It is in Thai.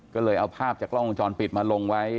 ก็เลยเอาภาพจากกล้องวงจรปิดมาลงไว้